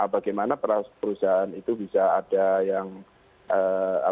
bagaimana perusahaan itu bisa ada peningkatan